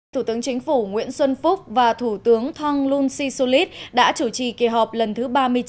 thủ tướng chính phủ nguyễn xuân phúc và thủ tướng thong lung si solit đã chủ trì kỳ họp lần thứ ba mươi chín